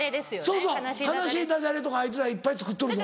そうそう悲しいダジャレとかあいつらいっぱい作っとるぞ。